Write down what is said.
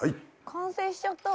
完成しちゃった。